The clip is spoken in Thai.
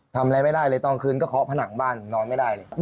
ทำอะไรไม่ได้เลยตอนคืนก็เคาะผนังบ้านนอนไม่ได้เลย